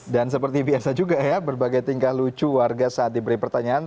dan seperti biasa juga ya berbagai tingkah lucu warga saat diberi pertanyaan